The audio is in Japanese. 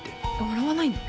笑わないの？